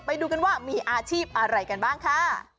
ไปดูกันว่ามีอาชีพอะไรกันบ้างค่ะ